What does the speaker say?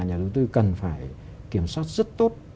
nhà đầu tư cần phải kiểm soát rất tốt